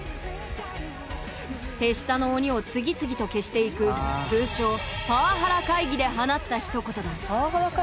手下の鬼を次々と消していく通称「パワハラ会議」で放ったひと言だ